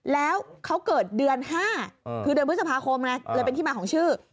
แล้วเขาเกิดเดือน๕คือเดือนพฤษภาคมไงเลยเป็นที่มาของชื่อ